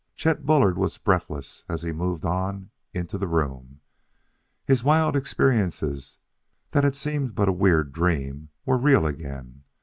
Chet Bullard was breathless as he moved on and into the room. His wild experiences that had seemed but a weird dream were real again.